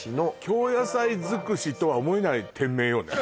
京野菜尽くしとは思えない店名よね